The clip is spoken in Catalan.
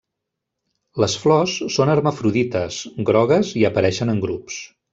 Les flors són hermafrodites, grogues i apareixen en grups.